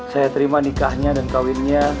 saya terima nikahnya dan kawinnya